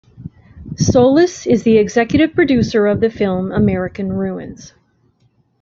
Solis is the executive producer of the film "American Ruins".